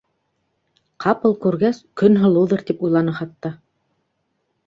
Ҡапыл күргәс, Көнһылыуҙыр тип уйланы хатта.